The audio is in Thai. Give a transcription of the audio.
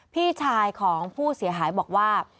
พี่ชายของผู้เสียหายบอกว่า